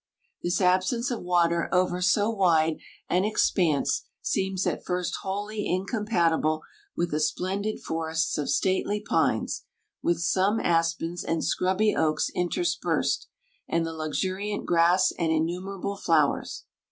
This absence of water over so wide an expanse seems at first wholly incompatible with the splendid forests of stately pines, with some aspens and scrubby oaks interspersed, and the luxuriant grass and innumerable flowers.